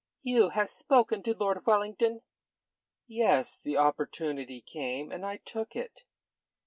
"You have spoken to Lord Wellington?" "Yes. The opportunity came, and I took it."